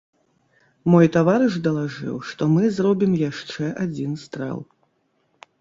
Мой таварыш далажыў, што мы зробім яшчэ адзін стрэл.